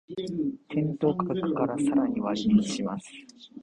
店頭価格からさらに割引します